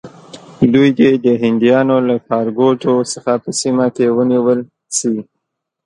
دوی دې د هندیانو له ښارګوټو څخه په سیمه کې ونیول شي.